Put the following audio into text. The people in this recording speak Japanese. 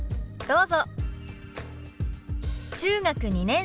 どうぞ。